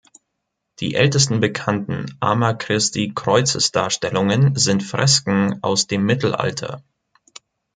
Die ältesten bekannten Arma-Christi-Kreuzesdarstellungen sind Fresken aus dem Mittelalter.